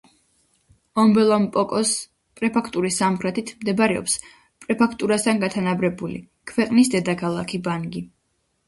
ომბელა-მპოკოს პრეფექტურის სამხრეთით მდებარეობს პრეფექტურასთან გათანაბრებული, ქვეყნის დედაქალაქი ბანგი.